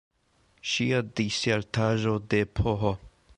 Ŝia disertaĵo de Ph.